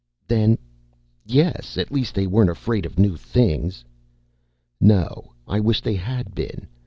"Then? Yes! At least they weren't afraid of new things." "No. I wish they had been.